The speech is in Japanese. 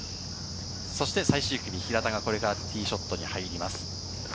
そして最終組、平田がこれからティーショットに入ります。